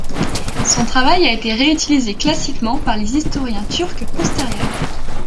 Son travail a été réutilisé classiquement par les historiens turcs postérieurs.